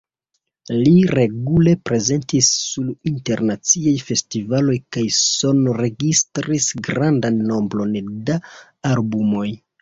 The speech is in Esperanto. Li regule prezentis sur internaciaj festivaloj kaj sonregistris grandan nombron da albumoj.